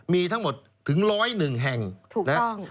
มีทั้งหมดถึง๑๐๑แห่งถูกต้อง